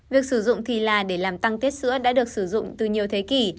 việc sử dụng thì là để làm tăng tiết sữa đã được sử dụng từ nhiều thế kỷ